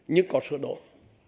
nhưng có sửa đổi